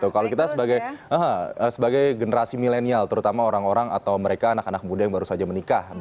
kalau kita sebagai generasi milenial terutama orang orang atau mereka anak anak muda yang baru saja menikah